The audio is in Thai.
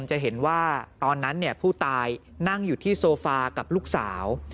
จะเห็นว่าตอนนั้นผู้ตายนั่งอยู่ที่โซฟากับลูกสาว